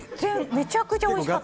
めちゃくちゃおいしかったです！